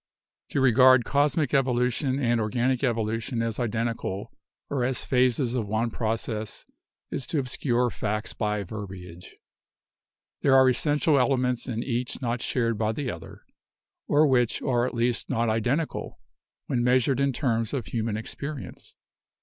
"To regard cosmic evolution and organic evolution as identical or as phases of one process is to obscure facts by verbiage. There are essential elements in each not shared by the other — or which are at least not identical when measured in terms of human experience.